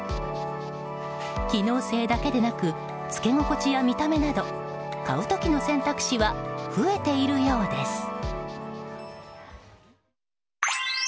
機能性だけでなく着け心地や見た目など買う時の選択肢は増えているようです。